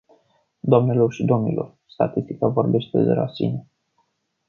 Doamnelor și domnilor, statistica vorbește de la sine.